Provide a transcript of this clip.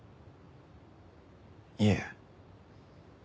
いえ。